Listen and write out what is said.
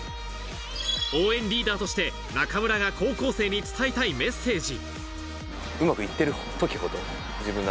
応援リーダーとして中村が高校生に伝えたいメッセージ。